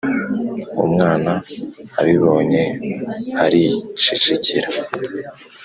Umwana abibonye aricecekera,